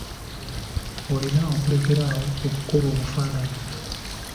Olina okulekera awo okukuba obufaananyi.